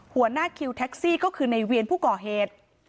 หัวหน้าคิวแท็กซี่ก็คือในเวียนผู้ก่อเหตุ